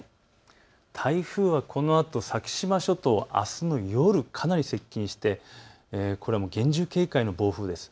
台風はこのあと、先島諸島にあすの夜かなり接近して厳重警戒の暴風です。